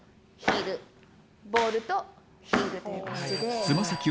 ボールとヒールという感じで。